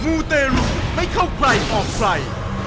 มูตร์เตรียมให้เข้าใครออกไฟ